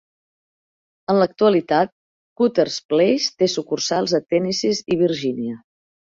En l'actualitat, "Cooter's Place" té sucursals a Tennessee i Virgínia.